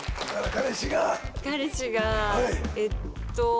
彼氏がえっと。